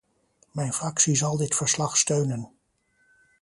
Mijn fractie zal dit verslag steunen.